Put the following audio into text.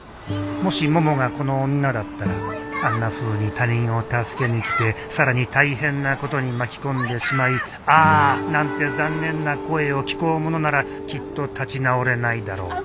もしももがこの女だったらあんなふうに他人を助けに来て更に大変なことに巻き込んでしまい「ああ」なんて残念な声を聞こうものならきっと立ち直れないだろう